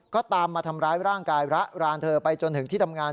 ก็ตามมาทำร้ายร่างกายระรานเธอไปจนถึงที่ทำงาน